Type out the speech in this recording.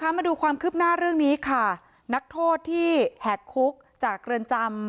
มาดูความคืบหน้าเรื่องนี้ค่ะนักโทษที่แหกคุกจากเรือนจำ